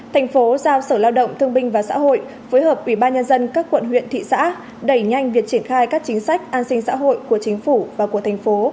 thành phố giao sở lao động thương binh và xã hội phối hợp ubnd các quận huyện thị xã đẩy nhanh việc triển khai các chính sách an sinh xã hội của chính phủ và của thành phố